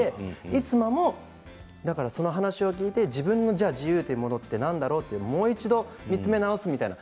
逸馬も、その話を聞いて自分の自由というものは何だろう、もう一度見つめ直すみたいな。